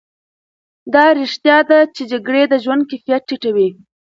دا رښتیا ده چې جګړې د ژوند کیفیت ټیټوي.